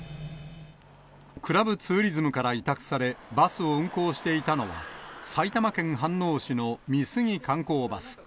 クラブツーリズムから委託され、バスを運行していたのは、埼玉県飯能市の美杉観光バス。